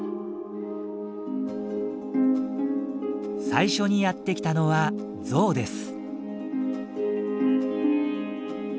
最初にやってきたのはゾウです。